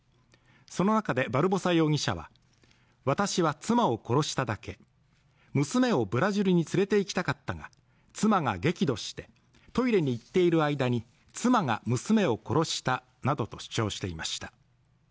その中でバルボサ容疑者は私は妻を殺しただけ娘をブラジルに連れて行きたかったが妻が激怒してトイレに行っている間に妻が娘を殺したなどと主張していました